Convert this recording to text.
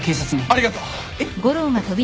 ありがとう。えっ？